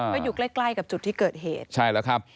ไปอยู่ใกล้กับจุดที่เกิดเหตุ